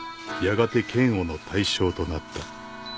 やがて嫌悪の対象となった。